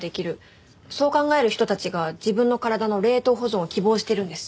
そう考える人たちが自分の体の冷凍保存を希望してるんです。